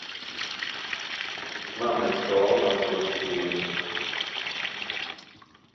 Mamy to, na co zasługujemy